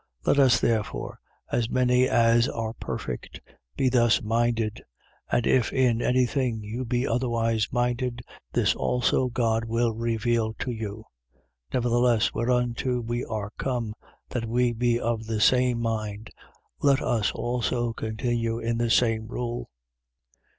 3:15. Let us therefore, as many as are perfect, be thus minded: and if in any thing you be otherwise minded, this also God will reveal to you, 3:16. Nevertheless, whereunto we are come, that we be of the same mind, let us also continue in the same rule.